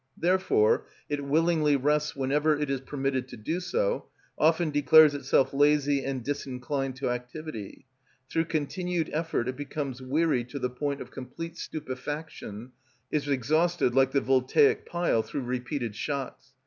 Therefore it willingly rests whenever it is permitted to do so, often declares itself lazy and disinclined to activity; through continued effort it becomes weary to the point of complete stupefaction, is exhausted, like the voltaic pile, through repeated shocks.